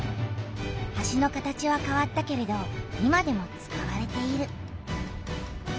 橋の形はかわったけれど今でも使われている。